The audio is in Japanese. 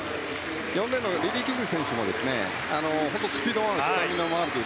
４レーンのリリー・キング選手もスピードもスタミナもある。